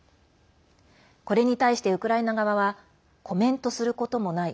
これに対してウクライナ側はコメントすることもない。